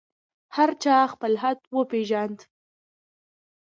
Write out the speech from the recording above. هر چا خپل حد وپېژاند.